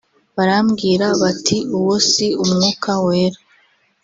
barambwira bati uwo si Umwuka wera